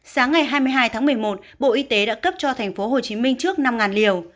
sáng ngày hai mươi hai tháng một mươi một bộ y tế đã cấp cho tp hcm trước năm liều